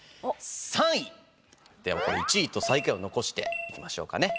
ではこれ１位と最下位を残していきましょうかね。